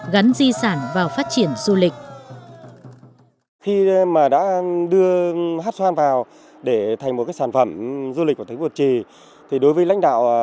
gắn di sản vào phát triển du lịch